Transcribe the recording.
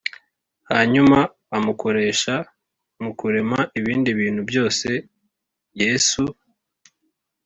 Hanyuma amukoresha mu kurema ibindi bintu byose yesu